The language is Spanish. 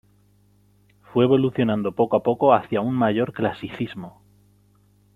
Fue evolucionando poco a poco hacia un mayor clasicismo.